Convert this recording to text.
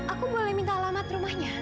aku boleh minta alamat rumahnya